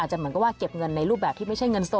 จะเหมือนกับว่าเก็บเงินในรูปแบบที่ไม่ใช่เงินสด